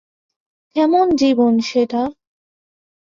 কেমন জীবন সেটা?